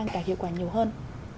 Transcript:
đạt hiệu quả nhiều hơn